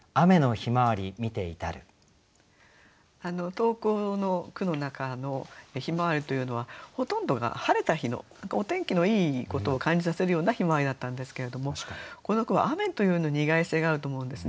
投稿の句の中の「向日葵」というのはほとんどが晴れた日のお天気のいいことを感じさせるような向日葵だったんですけれどもこの句は雨というのに意外性があると思うんですね。